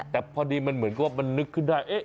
แต่พอดีเหมือนก็มันนึกขึ้นได้